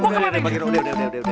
gue kemana ini